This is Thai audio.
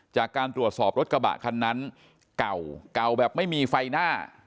จากการตรวจสอบรถกระบะคันนั้นเก่าเก่าแบบไม่มีไฟหน้า